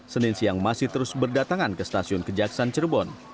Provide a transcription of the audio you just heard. senin siang masih terus berdatangan ke stasiun kejaksan cirebon